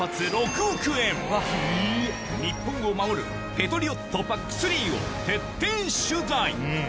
日本を守るペトリオットＰＡＣー３を徹底取材